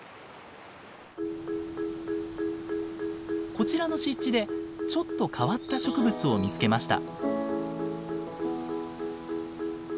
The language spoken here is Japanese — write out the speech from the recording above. こちらの湿地でちょっと変わった植物を見つけました。